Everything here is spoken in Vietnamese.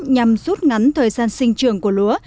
nhằm rút ngắn thời gian sinh trường của lúa